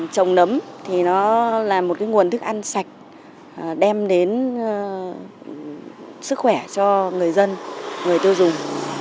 trồng nấm thì nó là một nguồn thức ăn sạch đem đến sức khỏe cho người dân người tiêu dùng